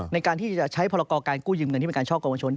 ในการที่จะใช้พรกรการกู้ยืมเงินที่เป็นการช่อกงวชน